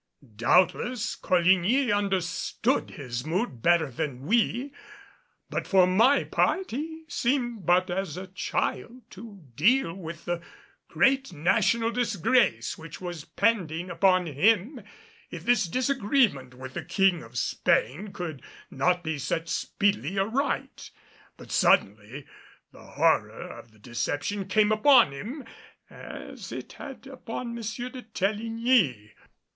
Doubtless Coligny understood his mood better than we, but for my part he seemed but as a child to deal with the great national disgrace which was pending upon him if this disagreement with the King of Spain could not be set speedily aright. But suddenly, the horror of the deception came upon him as it had upon M. de Teligny.